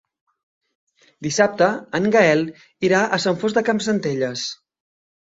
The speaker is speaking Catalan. Dissabte en Gaël irà a Sant Fost de Campsentelles.